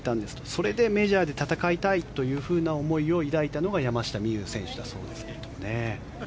それでメジャーで戦いたいという思いを抱いたのが山下美夢有選手だそうですがね。